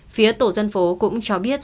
phía tổ dân phố cũng cho biết